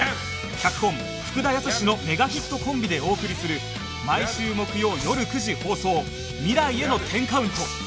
脚本福田靖のメガヒットコンビでお送りする毎週木曜よる９時放送『未来への１０カウント』